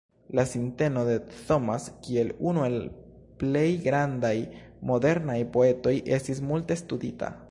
La sinteno de Thomas kiel unu el plej grandaj modernaj poetoj estis multe studita.